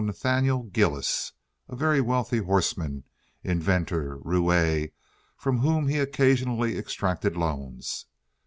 Nathaniel Gillis, very wealthy, a horseman, inventor, roue, from whom he occasionally extracted loans.